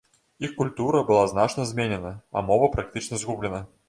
Іх культура была значна зменена, а мова практычна згублена.